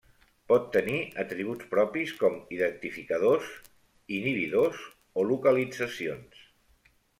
Pot tenir atributs propis com identificadors, inhibidors o localitzacions.